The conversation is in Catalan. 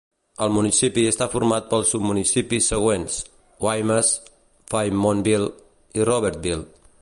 El municipi està format pels submunicipis següents: Waimes, Faymonville i Robertville.